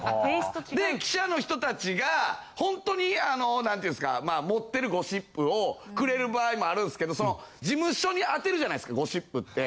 で記者の人たちがほんとにあの何て言うんですか持ってるゴシップをくれる場合もあるんすけどその事務所にあてるじゃないですかゴシップって。